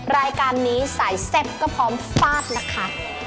รายการนี้สายแซ่บก็พร้อมฟาดนะคะ